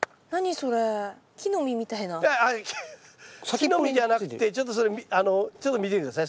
木の実じゃなくってちょっとそれちょっと見て下さい。